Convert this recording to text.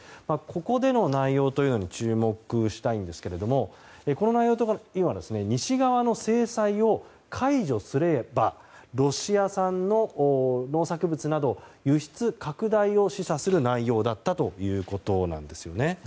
ここでの内容に注目したいんですがこの内容には、西側の制裁を解除すればロシア産の農作物など輸出拡大を示唆する内容だったということです。